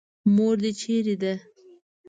مور دې چېرې ده.